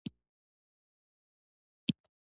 زه شکایتي لیک لیکم.